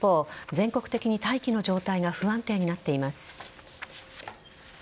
全国的に大気の状態が不安定になっています。